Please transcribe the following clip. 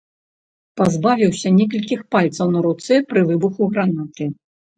Пазбавіўся некалькіх пальцаў на руцэ пры выбуху гранаты.